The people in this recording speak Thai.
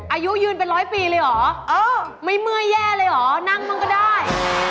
อายุยืนเป็น๑๐๐ปีหรือเออไม่เมื่อย่าเลยเหรอนั่งมงก็ได้